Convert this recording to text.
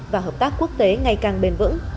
và hợp tác quốc tế ngày càng bền vững